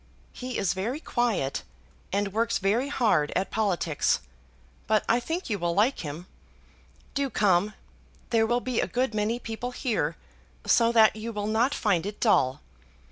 He is very quiet, and works very hard at politics; but I think you will like him. Do come! There will be a good many people here, so that you will not find it dull.